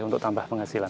untuk tambah penghasilan